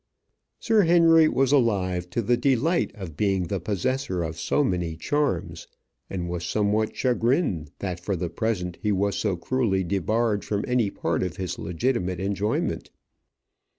Sir Henry was alive to the delight of being the possessor of so many charms, and was somewhat chagrined that for the present he was so cruelly debarred from any part of his legitimate enjoyment.